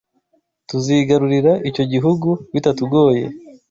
Tuzigarurira icyo gihugu bitatugoye